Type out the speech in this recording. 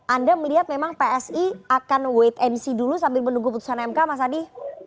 anda melihat memang psi akan wait and see dulu sambil menunggu putusan mk mas adi